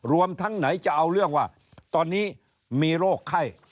รวมทั้งไหนจะเอาเรื่องว่าตอนนี้มีโรคไข้